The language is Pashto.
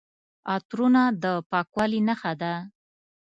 عطرونه د پاکوالي نښه ده.